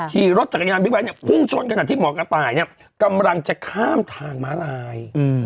ขี่รถจักรยานบิ๊กไบท์เนี่ยพุ่งชนขนาดที่หมอกระต่ายเนี่ยกำลังจะข้ามทางม้าลาย